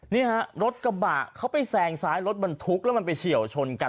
นี่ฮะรถกระบะเขาไปแซงซ้ายรถบรรทุกแล้วมันไปเฉียวชนกัน